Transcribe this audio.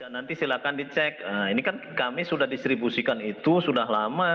nanti silahkan dicek ini kan kami sudah distribusikan itu sudah lama